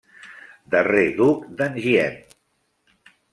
Darrer duc d'Enghien.